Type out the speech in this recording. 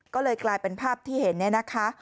ก็เลยกลายเป็นภาพที่เห็นเนี่ยนะคะ